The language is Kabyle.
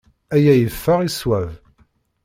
Aya yeffeɣ i ṣṣwab.